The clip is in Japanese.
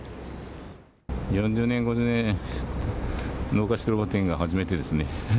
４０年、５０年農家してるが、初めてですね。